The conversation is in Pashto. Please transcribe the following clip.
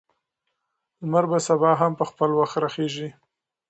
لمر به سبا هم په خپل وخت راخیژي.